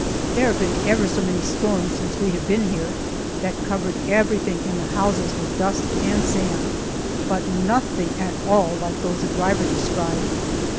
There have been ever so many storms, since we have been here, that covered everything in the houses with dust and sand, but nothing at all like those the driver described.